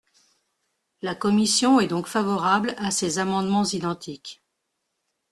La commission est donc favorable à ces amendements identiques.